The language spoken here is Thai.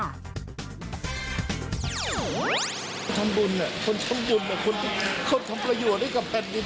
คนทำบุญคนทำประโยชน์ด้วยกับแผ่นดิน